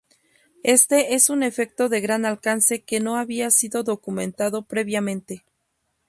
Este es un efecto de gran alcance que no había sido documentado previamente.